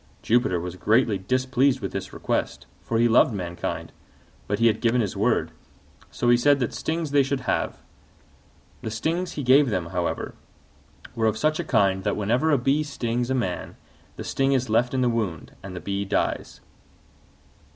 Jupiter was greatly displeased with this request, for he loved mankind: but he had given his word, so he said that stings they should have. The stings he gave them, however, were of such a kind that whenever a bee stings a man the sting is left in the wound and the bee dies.